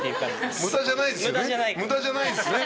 無駄じゃないですね？